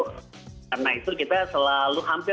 karena itu kita selalu hampir